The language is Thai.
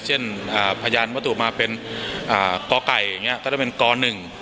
เช่นอ่าพยานวัตถุมาเป็นอ่ากไก่อย่างเงี้ยก็ต้องเป็นกหนึ่ง